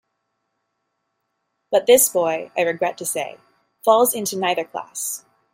But this boy, I regret to say, falls into neither class.